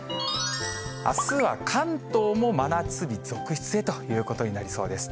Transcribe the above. あすは関東も真夏日続出へということになりそうです。